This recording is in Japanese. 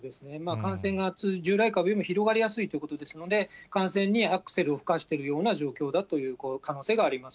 感染が従来株よりも広がりやすいということですので、感染にアクセルを吹かしてるというような状況だという可能性があります。